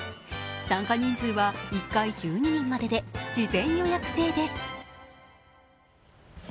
参加人数は１回１２人までで、事前予約制です。